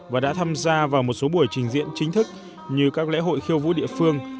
và đã tham gia vào một số buổi trình diễn chính thức như các lễ hội khiêu vũ địa phương